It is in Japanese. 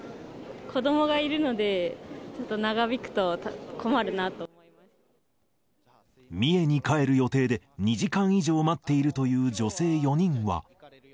子どもがいるので、三重に帰る予定で、２時間以上待っているという女性４人は。